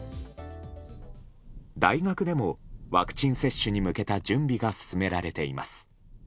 大学でもワクチン接種に向けた準備が進められています。